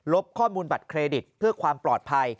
ข้อมูลบัตรเครดิตเพื่อความปลอดภัย